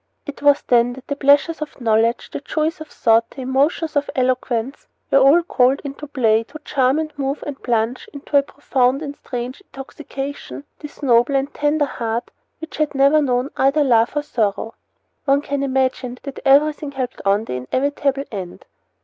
It was then that the pleasures of knowledge, the joys of thought, the emotions of eloquence, were all called into play to charm and move and plunge into a profound and strange intoxication this noble and tender heart which had never known either love or sorrow.... One can imagine that everything helped on the inevitable end.